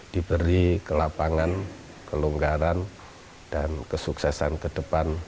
diberi kelapangan kelonggaran dan kesuksesan ke depan